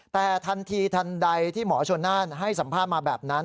แต่ทันทีทันใดที่หมอชนน่านให้สัมภาษณ์มาแบบนั้น